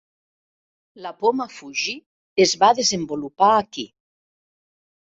La poma Fuji es va desenvolupar aquí.